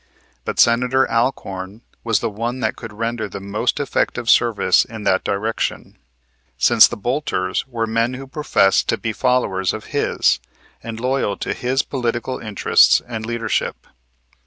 But Senator Alcorn was the one that could render the most effective service in that direction, since the bolters were men who professed to be followers of his and loyal to his political interests and leadership.